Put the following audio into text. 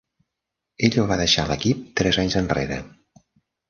Ella va deixar l"equip tres anys enrere.